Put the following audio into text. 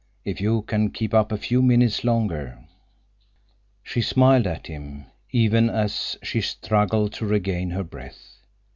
If you can keep up a few minutes longer—" She smiled at him, even as she struggled to regain her breath.